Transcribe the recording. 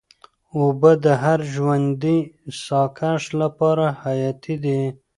اوبه د هر ژوندي ساه کښ لپاره حیاتي دي.